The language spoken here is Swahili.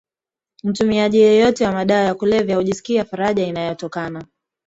Mtumiaji yeyote wa madawa ya kulevya hujisikia faraja inayotokana